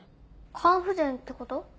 肝不全ってこと？